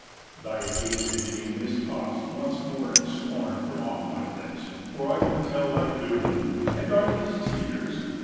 Thy hated name is tossed once more in scorn From off my lips, for I will tell thy doom. 50 And are these tears?